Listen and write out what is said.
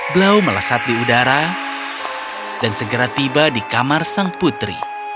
blau melesat di udara dan segera tiba di kamar sang putri